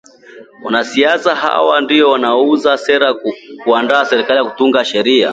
Wanasiasa hawa ndio wanaouza sera, kuunda serikali na kutunga sheria